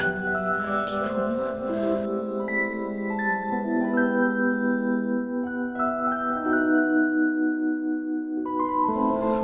assalamualaikum warahmatullahi wabarakatuh